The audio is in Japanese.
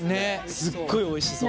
すっごいおいしそう。